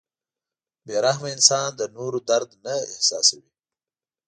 • بې رحمه انسان د نورو درد نه احساسوي.